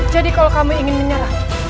jadi kalau kamu ingin menyerang